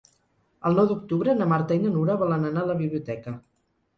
El nou d'octubre na Marta i na Nura volen anar a la biblioteca.